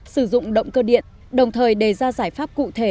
sử dụng động cơ điện đồng thời đề ra giải pháp cụ thể